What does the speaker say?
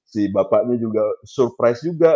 si bapaknya juga surprise juga